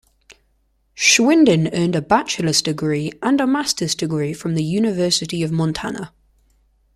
Schwinden earned a Bachelor's Degree and a Master's Degree from the University of Montana.